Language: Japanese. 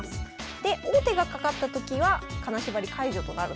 で王手がかかったときは金縛り解除となる。